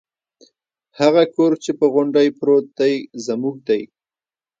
هغه کور چې په غونډۍ پروت دی زموږ دی.